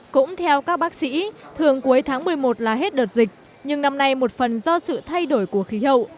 cũng theo các bác sĩ thường cuối tháng một mươi một là hết đợt dịch nhưng năm nay một phần do sự thay đổi của khí hậu